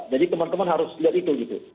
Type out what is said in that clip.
jadi teman teman harus lihat itu gitu